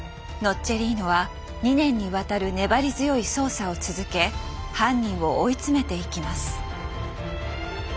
ッチェリーノは２年にわたる粘り強い捜査を続け犯人を追い詰めていきます。